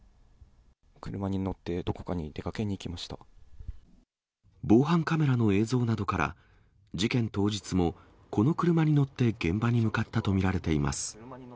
車に乗って、防犯カメラの映像などから、事件当日もこの車に乗って現場に向かったと見られています。